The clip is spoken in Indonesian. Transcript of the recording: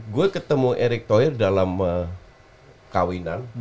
gue ketemu erik toer dalam kawinan